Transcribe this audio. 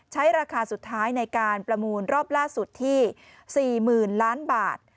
ราคาสุดท้ายในการประมูลรอบล่าสุดที่๔๐๐๐ล้านบาท